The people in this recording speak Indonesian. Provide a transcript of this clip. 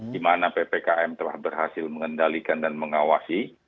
di mana ppkm telah berhasil mengendalikan dan mengawasi